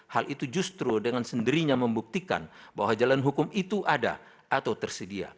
hal itu justru dengan sendirinya membuktikan bahwa jalan hukum itu ada atau tersedia